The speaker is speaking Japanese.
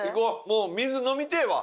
もう水飲みてえわ。